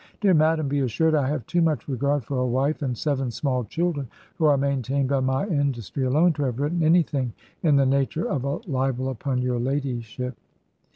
Dear madam, be assured I have too much regard for a wife and seven small children, who are maintained by my industry alone, to have written anything in the nature of a libel upon your ladyship."